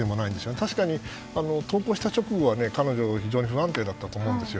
確かに投稿した直後は彼女、非常に不安定だったと思うんですよ。